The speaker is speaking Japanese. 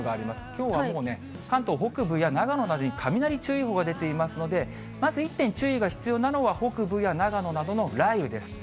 きょうはもうね、関東北部や長野まで、雷注意報が出ていますので、まず一点注意が必要なのは、長野などの雷雨です。